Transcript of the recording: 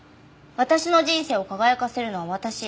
「私の人生を輝かせるのは私」